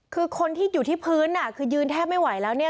คือคนที่อยู่ที่พื้นคือยืนแทบไม่ไหวแล้วเนี่ย